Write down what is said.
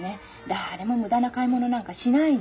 誰も無駄な買い物なんかしないの。